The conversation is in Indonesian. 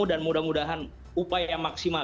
dan mudah mudahan upaya maksimal